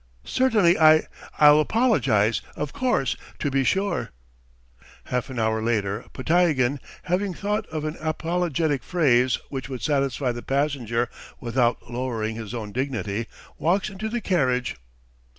"Certainly I ... I'll apologize, of course. .. To be sure. ..." Half an hour later, Podtyagin having thought of an apologetic phrase which would satisfy the passenger without lowering his own dignity, walks into the carriage.